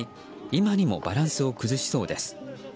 今にもバランスを崩しそうです。